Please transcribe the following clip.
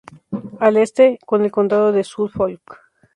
Al Este con el condado de Suffolk.